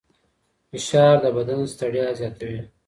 فشار د بدن ستړیا زیاتوي.